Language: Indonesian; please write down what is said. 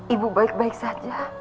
ibu baik baik saja